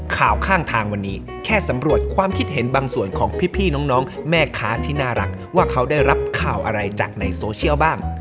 ข้างทางวันนี้แค่สำรวจความคิดเห็นบางส่วนของพี่น้องแม่ค้าที่น่ารักว่าเขาได้รับข่าวอะไรจากในโซเชียลบ้าง